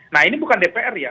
nah ini bukan dpr ya